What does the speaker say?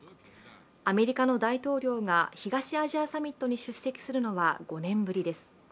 アメリカの大統領が東アジアサミットに出席するのは５年ぶりです。